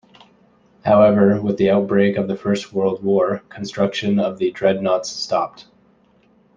However, with the outbreak of the First World War, construction of the dreadnoughts stopped.